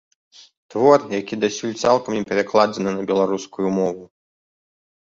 Твор, які дасюль цалкам не перакладзены на беларускую мову.